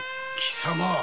貴様！